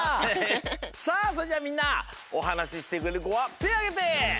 さあそれじゃみんなおはなししてくれるこはてあげて！